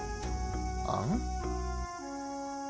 あん？